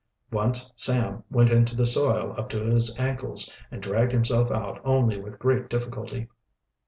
Once Sam went into the soil up to his ankles, and dragged himself out only with great difficulty.